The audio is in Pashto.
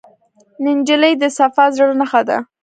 نجلۍ د صفا زړه نښه ده.